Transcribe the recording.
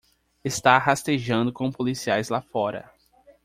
Está rastejando com policiais lá fora.